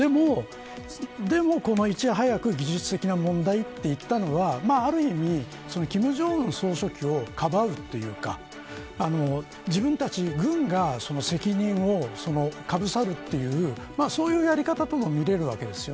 でも、いち早く技術的な問題だと言ったのはある意味、金正恩総書記をかばうというか自分たち軍が、責任をかぶさるというそういうやり方とも見れるわけです。